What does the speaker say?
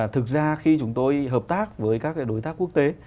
thực ra khi chúng tôi hợp tác với các đối tác quốc tế